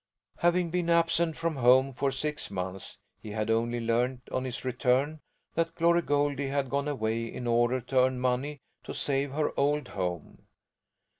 Having been absent from home for six months, he had only learned on his return that Glory Goldie had gone away in order to earn money to save her old home.